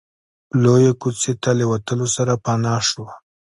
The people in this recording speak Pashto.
لويې کوڅې ته له وتلو سره پناه شو.